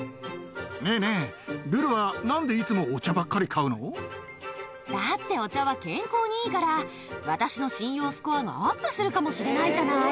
ねえねえ、ルルはなんで、だって、お茶は健康にいいから、私の信用スコアがアップするかもしれないじゃない。